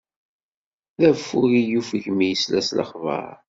D affug i yuffeg mi yesla s lexbaṛ.